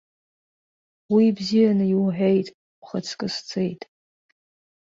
Уи бзианы иуҳәеит, ухаҵкы сцеит.